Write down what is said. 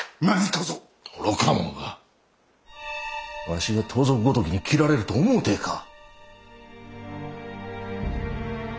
わしが盗賊ごときに斬られると思うてか！